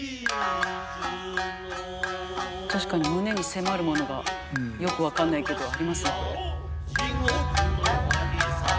確かに胸に迫るものがよく分かんないけどありますねこれ。